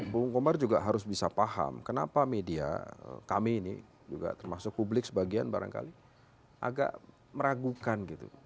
bung komar juga harus bisa paham kenapa media kami ini juga termasuk publik sebagian barangkali agak meragukan gitu